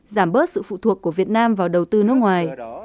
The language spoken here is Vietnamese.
giảm bớt sự phụ thuộc của việt nam vào đầu tư nước ngoài